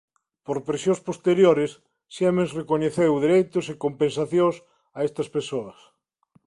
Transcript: Por presións posteriores Siemens recoñeceu dereitos e compensacións a estas persoas.